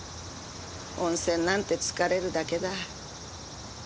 温泉なんて疲れるだけだ。